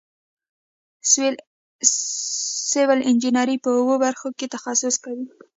سیول انجینران په اوو برخو کې تخصص کوي.